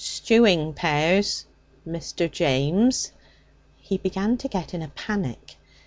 Stewing pears, Mr. James.' He began to get in a panic.